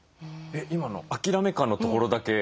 今の諦め感のところだけあれ？